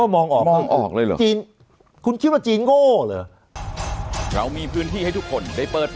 มองออกเลยเหรอ